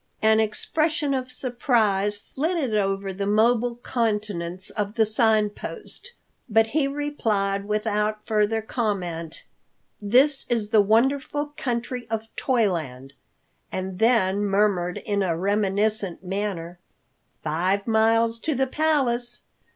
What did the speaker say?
An expression of surprise flitted over the mobile countenance of the Sign Post, but he replied without further comment, "This is the wonderful country of Toyland," and then murmured in a reminiscent manner, "Five miles to the Palace.